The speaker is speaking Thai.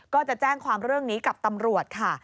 ก็จะแจ้งความเรื่องนี้กับตำรวจค่ะ